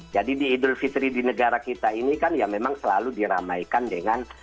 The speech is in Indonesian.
jadi di idul fitri di negara kita ini kan ya memang selalu diramaikan dengan